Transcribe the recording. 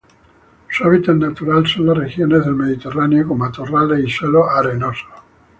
Su hábitat natural son las regiones del mediterráneo con matorrales y suelos arenosos.